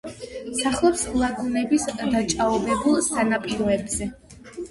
სახლობს ლაგუნების დაჭაობებულ სანაპიროებზე.